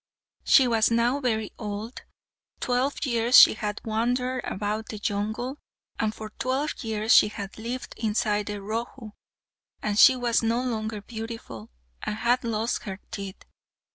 She was now very old. Twelve years she had wandered about the jungle, and for twelve years she had lived inside her Rohu; and she was no longer beautiful, and had lost her teeth.